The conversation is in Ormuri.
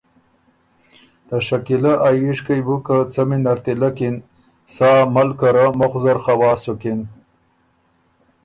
ته شکیلۀ ا ييشکئ بُو که څمی نر تِلک اِن، سا ملکه ره مُخ زر خوا سُکِن۔